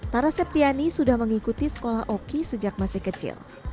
taraseptiani sudah mengikuti sekolah oki sejak masih kecil